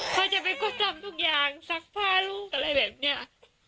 เขาจะไปกดทำทุกอย่างซักผ้าลูกอะไรแบบนี้